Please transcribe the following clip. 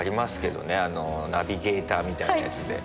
ナビゲーターみたいなやつで。